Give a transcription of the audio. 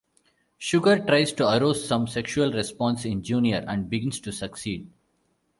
Sugar tries to arouse some sexual response in Junior, and begins to succeed.